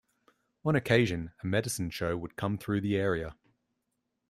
On occasion, a medicine show would come through the area.